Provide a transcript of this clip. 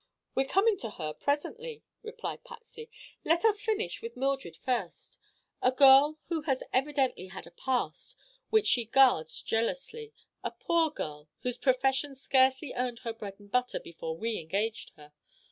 "We are coming to her presently," replied Patsy. "Let us finish with Mildred first. A girl who has evidently had a past, which she guards jealously. A poor girl, whose profession scarcely earned her bread and butter before we engaged her.